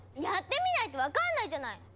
やってみないと分かんないじゃない！